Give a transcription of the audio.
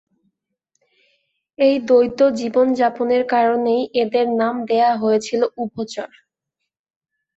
এই দ্বৈত জীবনযাপনের কারণেই এদের নাম দেয়া হয়েছে উভচর।